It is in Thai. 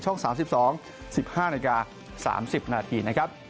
ช่อง๓๒๑๕นาที๓๐นาที